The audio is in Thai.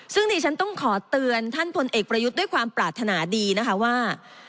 ซึ่งดิฉันต้องขอเตือนท่านพลเอกประยุทธ์ด้วยความปรารถนาดีนะคะว่า